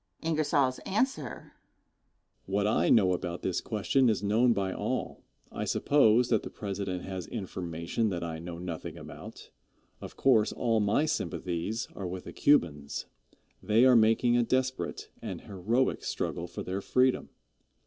Answer. What I know about this question is known by all. I suppose that the President has information that I know nothing about. Of course, all my sympathies are with the Cubans. They are making a desperate an heroic struggle for their freedom.